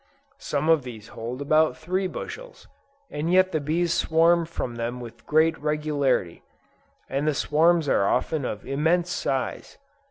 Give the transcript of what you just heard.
Some of these hold about three bushels, and yet the bees swarm from them with great regularity, and the swarms are often of immense size.